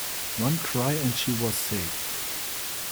One cry and she was safe.